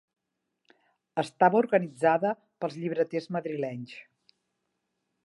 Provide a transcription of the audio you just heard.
Estava organitzada pels llibreters madrilenys.